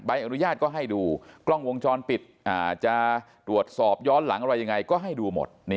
อนุญาตก็ให้ดูกล้องวงจรปิดจะตรวจสอบย้อนหลังอะไรยังไงก็ให้ดูหมด